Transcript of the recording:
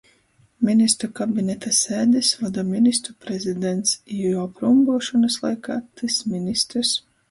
Ministru kabineta sēdis voda ministru prezidents i juo prūmbyušonys laikā tys ministrs,